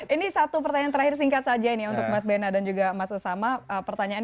ini satu pertanyaan terakhir singkat saja ini untuk mas bena dan juga mas usama pertanyaan